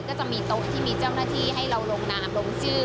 ก็จะมีโต๊ะที่มีเจ้าหน้าที่ให้เราลงนามลงชื่อ